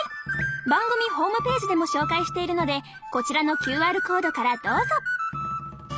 番組ホームページでも紹介しているのでこちらのＱＲコードからどうぞ！